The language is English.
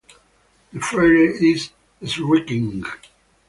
The Faire is shrinking.